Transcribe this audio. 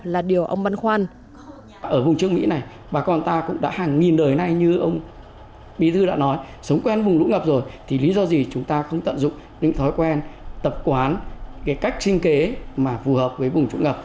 là điều ông băn khoan